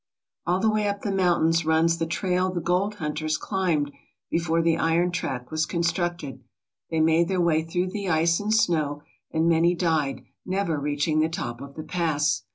AH the way up the mountains runs the trail the gold hunters climbed before the iron track was constructed. They made their way through the ice and snow, and many died, never reaching the top of the pass.